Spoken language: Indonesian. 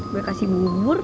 gue kasih bubur